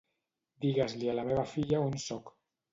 Digues-li a la meva filla on soc.